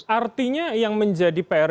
artinya yang menjadi pr